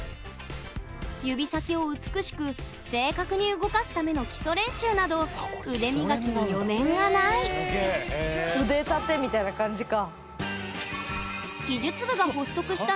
指先を美しく正確に動かすための基礎練習など腕磨きに余念がない歴史長いんだ。